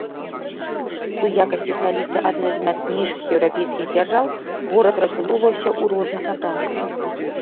У якасці сталіцы адной з мацнейшых еўрапейскіх дзяржаў горад разбудоўваўся ў розных напрамках.